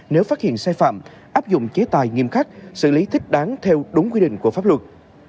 nếu phát hiện sai phạm áp dụng chế tài nghiêm khắc xử lý thích đáng theo đúng quy định của pháp luật